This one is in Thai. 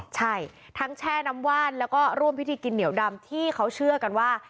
ใช่ทั้งแช่น้ำว่านแล้วก็ร่วมพิธีกินเหนียวดำที่เขาเชื่อกันว่า